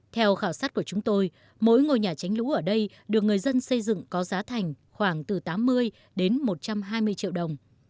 theo khảo sát của chúng tôi mỗi ngôi nhà tránh lũ ở đây được người dân xây dựng có giá thành khoảng từ tám mươi đến một trăm hai mươi triệu đồng